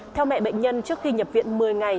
theo mẹ bệnh nhân trước khi nhập viện một mươi ngày